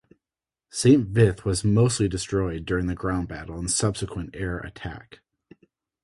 Saint Vith was mostly destroyed during the ground battle and subsequent air attack.